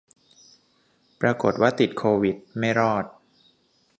ปรากฏว่าติดโควิด ไม่รอด